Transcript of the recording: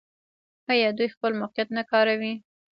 آیا دوی خپل موقعیت نه کاروي؟